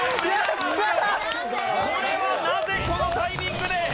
これはなぜこのタイミングで？